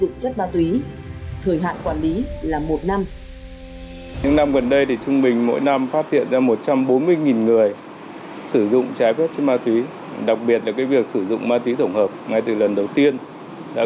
khi sử dụng chất ma túy thời hạn quản lý là một năm